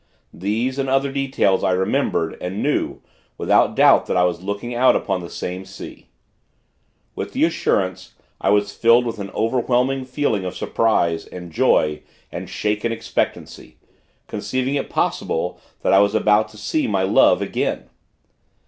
These, and other, details, I remembered, and knew, without doubt that I was looking out upon that same sea. With the assurance, I was filled with an overwhelming feeling of surprise, and joy, and shaken expectancy, conceiving it possible that I was about to see my Love, again.